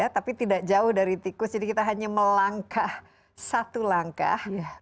tapi tidak jauh dari tikus jadi kita hanya melangkah satu langkah